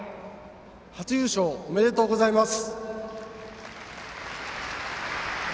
初優勝、おめでとうございます。